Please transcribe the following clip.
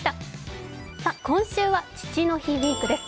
今週は父の日ウイークです。